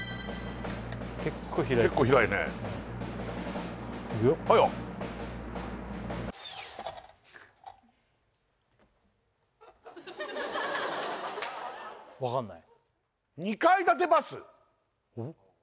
結構開いた結構広いねいくよはいよ分かんない？